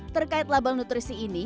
terkait label nutrisi ini